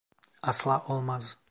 Asla olmaz.